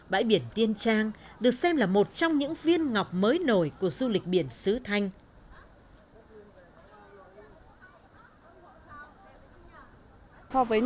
bãi biển tiên trang được xem là một trong những viên ngọc mới nổi của du lịch biển sứ thanh